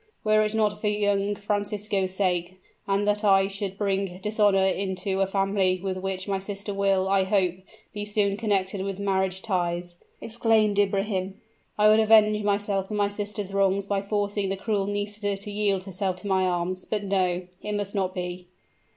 "Were it not for young Francisco's sake, and that I should bring dishonor into a family with which my sister will, I hope, be soon connected with marriage ties," exclaimed Ibrahim, "I would avenge myself and my sister's wrongs by forcing the cruel Nisida to yield herself to my arms. But no, it must not be."